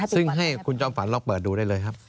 ซึ่งให้คุณจอมฝันลองเปิดดูได้เลยครับ